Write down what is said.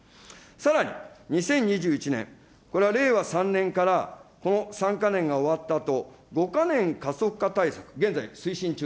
さらに２０２１年、これは令和３年からこの３か年が終わったあと、５か年加速化対策、現在、推進中